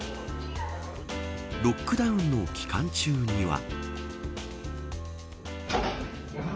ロックダウンの期間中には。